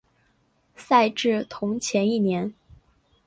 赛制同前一年。